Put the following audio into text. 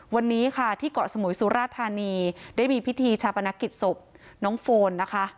วันนี้ค่ะที่เกาะสมุยสุราธานีได้มีพิธีชาปนกิจศพน้องโฟนนะคะ